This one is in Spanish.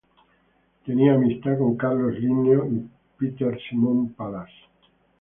Tenía amistad con Carlos Linneo y Peter Simon Pallas.